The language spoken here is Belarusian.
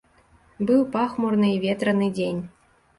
Быў пахмурны і ветраны дзень.